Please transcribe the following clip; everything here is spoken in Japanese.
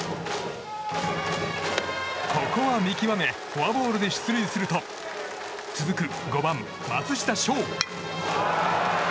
ここは見極めフォアボールで出塁すると続く５番、松下翔。